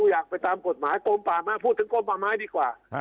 อยากไปตามกฎหมายกลมป่ามาพูดถึงกลมป่าไม้ดีกว่า